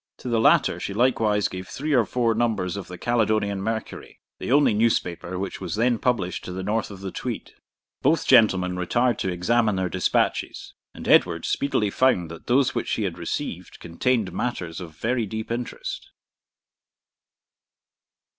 To the latter she likewise gave three or four numbers of the Caledonian Mercury, the only newspaper which was then published to the north of the Tweed. Both gentlemen retired to examine their despatches, and Edward speedily found that those which he had received contained matters of very deep interest.